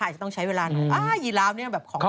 อาจจะต้องใช้เวลาหน่อยอ้าวอีหลาวนี้แบบของโปรด